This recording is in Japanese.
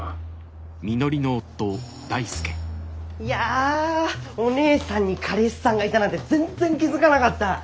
いやお姉さんに彼氏さんがいたなんて全然気付かなかった。